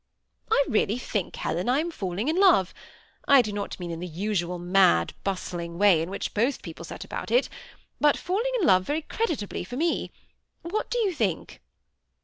^ I really think, Helen, I am falling in love ? I do not mean in the usual mad, bustling way in which most people set about it ; but falling in love very creditably for me. What do you think